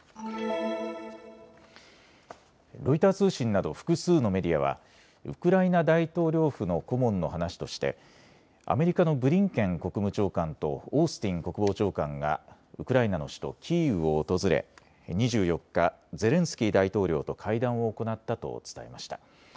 ロイター通信など複数のメディアはウクライナ大統領府の顧問の話としてアメリカのブリンケン国務長官とオースティン国防長官がウクライナの首都キーウを訪れ２４日、ゼレンスキー大統領と会談を行ったと伝えました。